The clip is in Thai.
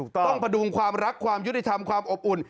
ต้องพดุงความรักความยุติธรรมความอบอุ่น